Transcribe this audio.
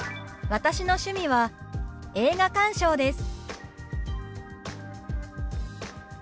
「私の趣味は映画鑑賞です」。